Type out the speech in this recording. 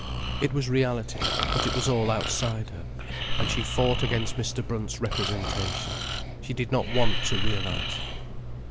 It was reality, but it was all outside her. And she fought against Mr. Brunt's representation. She did not want to realize.